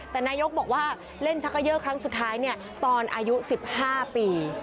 แต่นายกบอกว่าเล่นชักเกยอร์ครั้งสุดท้ายตอนอายุ๑๕ปี